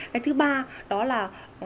cái thứ ba đó là